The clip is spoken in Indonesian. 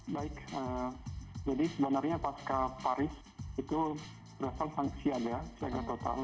baik jadi sebenarnya pasca paris itu berasal sang siada siada total